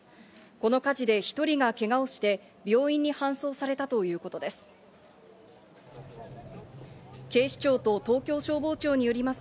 この火事で１人がけがをして病院に搬送されたということです。